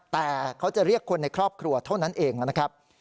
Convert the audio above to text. แต่เขาจะเรียกคนในครอบครัวเท่านั้นเองนะครับ